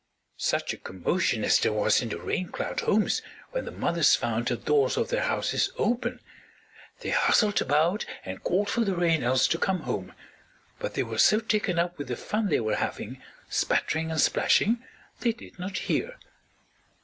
Such a commotion as there was in the Rain Cloud homes when the mothers found the doors of their houses open! They hustled about and called for the Rain Elves to come home; but they were so taken up with the fun they were having, spattering and splashing, they did not hear.